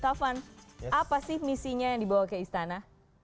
taufan apa sih misinya yang dibawa ke istana